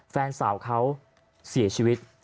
แฟนสาวเขาเสียชีวิต